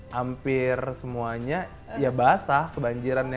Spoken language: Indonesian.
hampir semuanya ya basah kebanjirannya